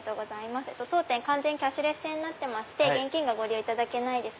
当店完全キャッシュレス制になってまして現金がご利用いただけないです。